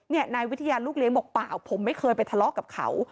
นายวิทยาลูกเลี้ยงบอกเปล่าผมไม่เคยไปทะเลาะกับเขา